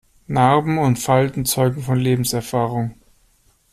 Narben und Falten zeugen von Lebenserfahrung.